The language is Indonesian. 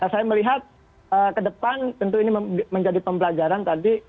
saya melihat ke depan tentu ini menjadi pembelajaran tadi